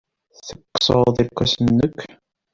Tekkseḍ irkasen-nnek.